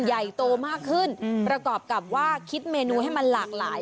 ใหญ่โตมากขึ้นประกอบกับว่าคิดเมนูให้มันหลากหลาย